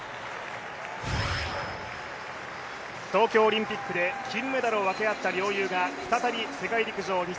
東京オリンピックで金メダルを分け合った両雄が、再び世界陸上２０２２